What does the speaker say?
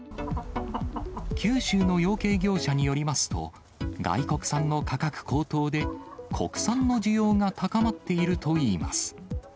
九州の養鶏業者によりますと、外国産の価格高騰で、国産の需要が高まっているといいます。